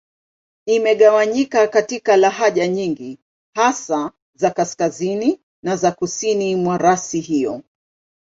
Imegawanyika katika lahaja nyingi, hasa za Kaskazini na za Kusini mwa rasi hiyo.